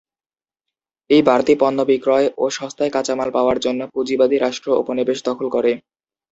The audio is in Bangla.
এই বাড়তি পণ্য বিক্রয় ও সস্তায় কাঁচামাল পাওয়ার জন্য পুঁজিবাদী রাষ্ট্র উপনিবেশ দখল করে।